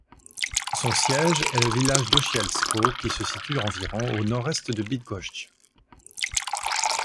Son siège est le village d'Osielsko, qui se situe environ au nord-est de Bydgoszcz.